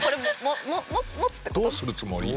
どうするつもり？